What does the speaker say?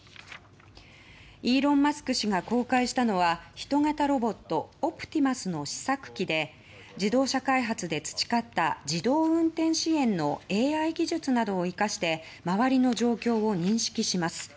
イーロン・マスク氏が公開したのはヒト型ロボットオプティマスの試作機で自動車開発で培った自動運転支援のＡＩ技術などを生かして周りの状況を認識します。